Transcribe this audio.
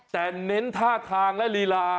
แต่เน้นท่าทางและลีลา